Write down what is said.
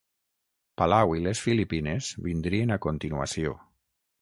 Palau i les Filipines vindrien a continuació.